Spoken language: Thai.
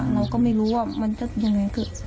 เราก็ไม่รู้ว่ามันจะยังไง